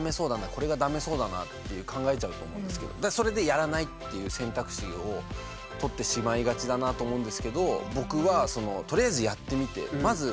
これがダメそうだなって考えちゃうと思うんですけどそれでやらないっていう選択肢をとってしまいがちだなと思うんですけど